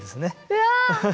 うわ！